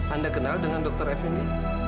anda kenal dengan dokter effendi